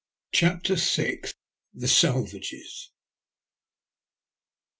CHAPTEB VI. THB SALVAGES.